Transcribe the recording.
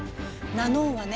「ナノーン」はね